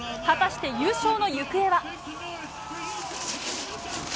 果たして優勝の行方は。